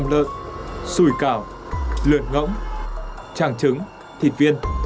nầm lợn xùi cào lượn ngỗng tràng trứng thịt viên